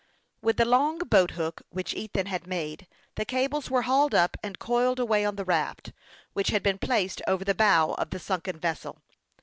With the long boat hook which Ethan had made, the cables were hauled up and coiled away on the raft, which had been placed over the bow of the sunken vessel.